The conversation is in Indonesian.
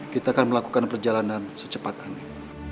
kita akan melakukan perjalanan secepat ini